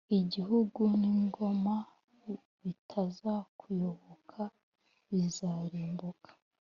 igihugu n’ingoma bitazakuyoboka, bizarimbuka,